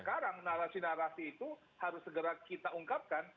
sekarang narasi narasi itu harus segera kita ungkapkan